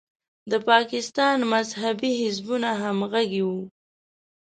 د پاکستان مذهبي حزبونه همغږي وو.